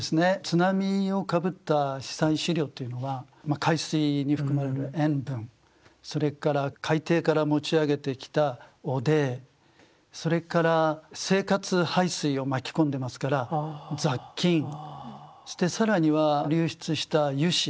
津波をかぶった被災資料というのは海水に含まれる塩分それから海底から持ち上げてきた汚泥それから生活排水を巻き込んでますから雑菌そして更には流出した油脂。